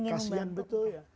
kasian betul ya